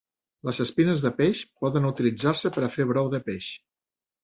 Les espines de peix poden utilitzar-se per a fer brou de peix.